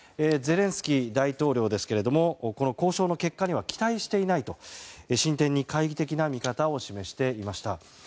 ゼレンスキー大統領ですが交渉の結果には期待していないと進展に懐疑的な見方を示していました。